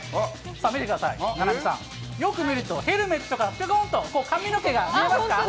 見てください、菜波さん、よく見ると、ヘルメットから、ぴょこんと髪の毛が見えますか？